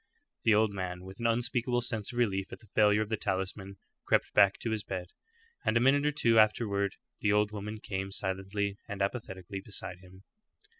The old man, with an unspeakable sense of relief at the failure of the talisman, crept back to his bed, and a minute or two afterward the old woman came silently and apathetically beside him.